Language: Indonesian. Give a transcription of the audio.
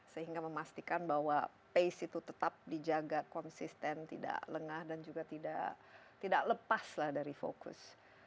sehingga memastikan bahwa pace itu tetap dijaga konsisten tidak lengah dan juga tidak lepas lah dari fokus